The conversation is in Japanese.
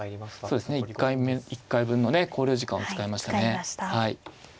そうですね１回分のね考慮時間を使いましたね。